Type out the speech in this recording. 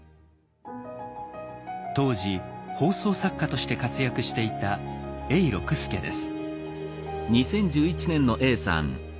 当時放送作家として活躍していた永六輔です。